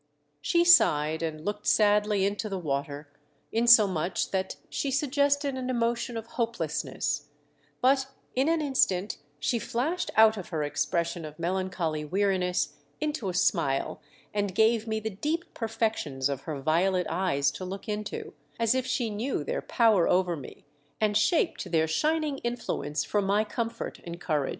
She sighed and looked sadly into the water, insomuch that she suggested an emotion of hopelessness ; but in an instant she flashed out of her expression of melan choly weariness into a smile and gave me the deep perfections of her violet eyes to look into, as if she knew their power over me and shaped their shining influence for mv comfort and couragfe.